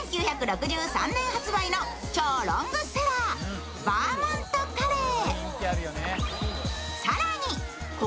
１９６３ねん発売の超ロングセラー、バーモントカレー。